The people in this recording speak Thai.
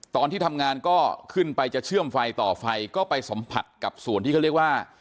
ตอนที่ทำงานก็ขึ้นไปจะเชื่อมไฟต่อไฟก็ไปสัมผัสกับส่วนที่เขาเรียกว่า